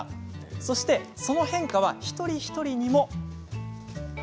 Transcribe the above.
そして、その変化は一人一人にも。